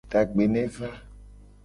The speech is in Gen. Dagbe ne va.